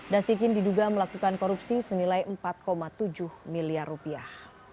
dasikin diduga melakukan korupsi senilai empat tujuh miliar rupiah